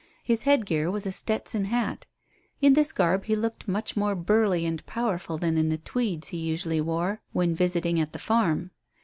His headgear was a Stetson hat. In this garb he looked much more burly and powerful than in the tweeds he usually wore when visiting at the farm.